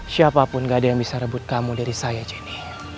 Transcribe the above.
siapapun gak ada yang bisa rebut kamu dari saya jenny